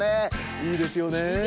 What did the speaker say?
いいですね。